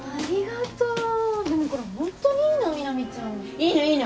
いいのいいの。